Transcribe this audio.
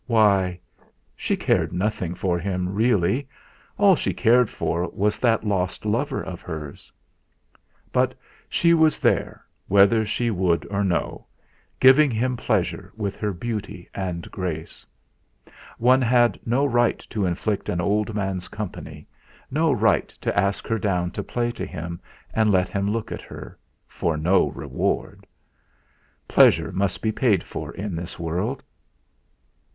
Why! She cared nothing for him, really; all she cared for was that lost lover of hers. But she was there, whether she would or no, giving him pleasure with her beauty and grace. One had no right to inflict an old man's company, no right to ask her down to play to him and let him look at her for no reward! Pleasure must be paid for in this world.